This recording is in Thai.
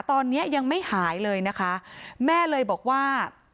ตอนนี้ยังไม่หายเลยนะคะแม่เลยบอกว่า